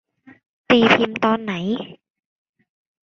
ตีพิมพ์ตอนไหน